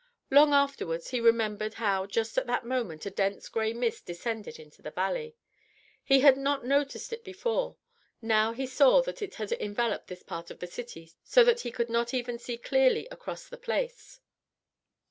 Long afterwards he remembered how just at that moment a dense grey mist descended into the valley. He had not noticed it before, now he saw that it had enveloped this part of the city so that he could not even see clearly across the Place.